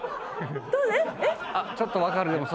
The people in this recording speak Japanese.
ちょっと分かるでも。